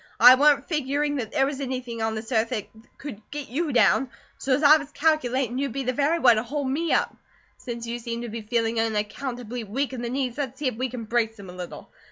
I wa'n't figuring that there was anything on this earth that could get you down; so's I was calculatin' you'd be the very one to hold me up. Since you seem to be feeling unaccountably weak in the knees, let's see if we can brace them a little.